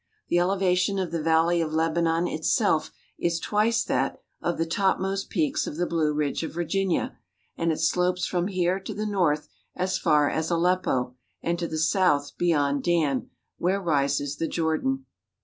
The elevation of the Valley of Lebanon itself is twice that of the topmost peaks of the Blue Ridge of Virginia, and it slopes from here to the north as far as Aleppo and to the south beyond Dan, where rises the Jordan.